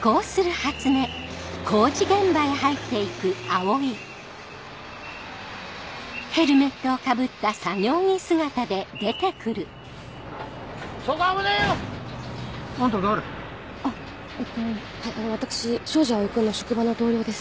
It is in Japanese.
はいあの私庄司蒼君の職場の同僚です。